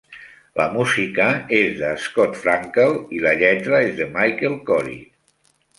La música és de Scott Frankel i la lletra és de Michael Korie.